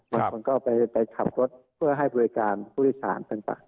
บางคนก็ไปขับรถเพื่อให้บริการผู้โดยสารต่าง